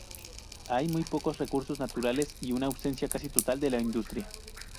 Hay muy pocos recursos naturales, y una ausencia casi total de la industria.